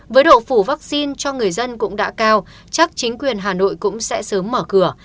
với độ phủ vaccine cho người dân cũng đã cao chắc chính quyền hà nội cũng sẽ sớm mở cửa